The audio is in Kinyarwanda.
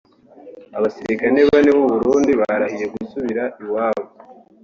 Abasirikare bane b’u Burundi barahiye gusubira iwabo